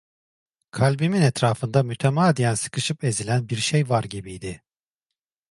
Kalbimin etrafında mütemadiyen sıkışıp ezilen bir şey var gibiydi.